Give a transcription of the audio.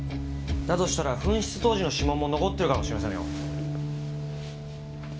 だとしたら紛失当時の指紋も残ってるかもしれませんよ。